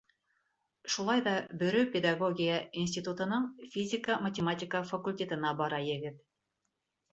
Шулай ҙа Бөрө педагогия институтының физика-математика факультетына бара егет.